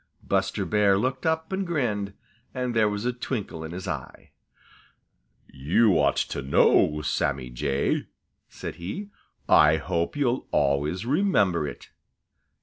Buster Bear looked up and grinned, and there was a twinkle in his eyes. "You ought to know, Sammy Jay," said he. "I hope you'll always remember it."